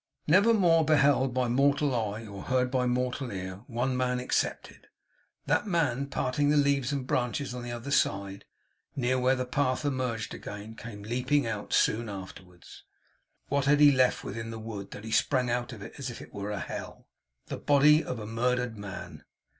Never more beheld by mortal eye or heard by mortal ear; one man excepted. That man, parting the leaves and branches on the other side, near where the path emerged again, came leaping out soon afterwards. What had he left within the wood, that he sprang out of it as if it were a hell! The body of a murdered man.